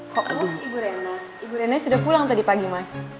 kok ibu reno ibu reno sudah pulang tadi pagi mas